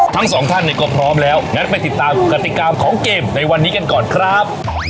ทั้งสองท่านเนี่ยก็พร้อมแล้วงั้นไปติดตามกติกาของเกมในวันนี้กันก่อนครับ